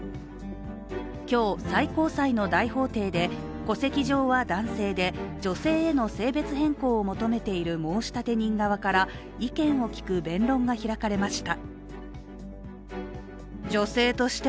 今日、最高裁の大法廷で戸籍上は男性で、女性への性別変更を求めている申立人側から意見を聞く弁論が開かれました。